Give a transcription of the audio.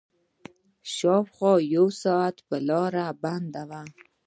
شاوخوا يو ساعت به لاره بنده وه.